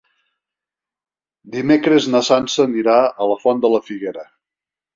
Dimecres na Sança anirà a la Font de la Figuera.